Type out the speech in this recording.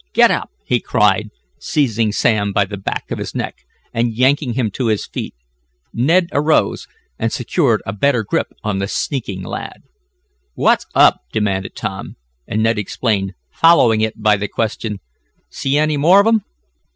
"Get up!" he cried, seizing Sam by the back of his neck, and yanking him to his feet. Ned arose, and secured a better grip on the sneaking lad. "What's up?" demanded Tom, and Ned explained, following it by the question: "See any more of 'em?"